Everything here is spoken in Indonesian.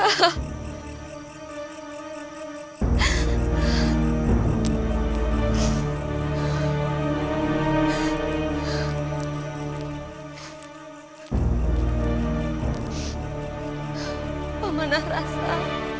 apa manalah rasa